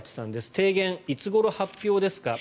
提言、いつごろ発表ですか？